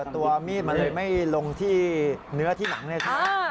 ตัวมิดไม่ลงที่เนื้อที่หนังนี่ใช่ไหม